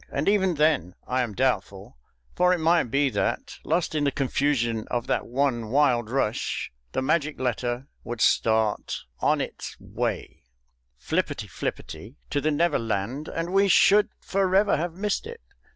And even then I am doubtful; for it might be that, lost in the confusion of that one wild rush, the magic letter would start on its way flipperty flipperty to the never land, and we should forever have missed it.